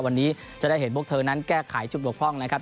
วันนี้จะได้เห็นพวกเธอนั้นแก้ไขจุดบกพร่องนะครับ